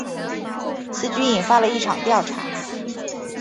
此举引发了一场调查。